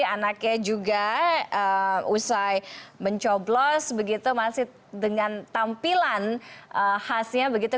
anaknya juga usai mencoblos begitu masih dengan tampilan khasnya begitu